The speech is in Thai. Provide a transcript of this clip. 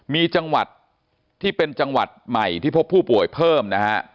มีจังหวัดที่เป็นจังหวัดใหม่ที่พบผู้ป่วยเพิ่มนะฮะ